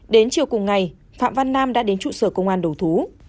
đến chiều cùng ngày phạm văn nam đã đến trụ sở công an đầu thú